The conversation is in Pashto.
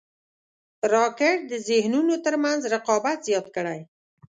راکټ د ذهنونو تر منځ رقابت زیات کړی